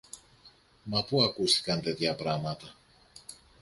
Μα πού ακούστηκαν τέτοια πράματα!